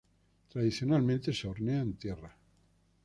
Tradicionalmente se hornea en tierra.